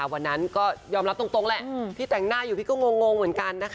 วันนั้นก็ยอมรับตรงแหละพี่แต่งหน้าอยู่พี่ก็งงเหมือนกันนะคะ